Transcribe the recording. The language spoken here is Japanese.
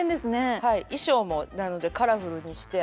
はい衣装もなのでカラフルにして。